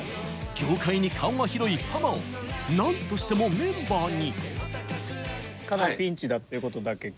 業界に顔が広いハマをなんとしてもメンバーに！